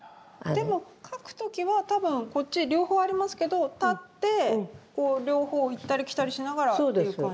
でも描く時は多分こっち両方ありますけど立ってこう両方を行ったりきたりしながらっていう感じですか？